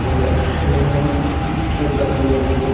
এখান থেকে জার্মানীতে যাব, তারপর ইংলণ্ডে এবং পরের শীতে ভারতে যাব।